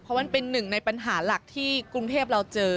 เพราะมันเป็นหนึ่งในปัญหาหลักที่กรุงเทพเราเจอ